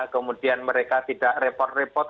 kemudian mereka tidak repot repot